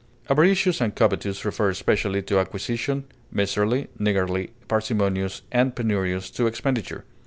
Avaricious and covetous refer especially to acquisition, miserly, niggardly, parsimonious, and penurious to expenditure.